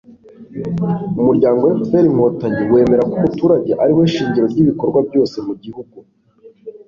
umuryango fpr-inkotanyi wemera ko umuturage ari we shingiro ry'ibikorwa byose mu gihugu